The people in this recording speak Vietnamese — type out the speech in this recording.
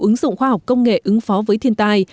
ứng dụng khoa học công nghệ ứng phó với thiên tai